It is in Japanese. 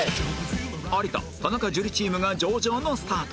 有田田中樹チームが上々のスタート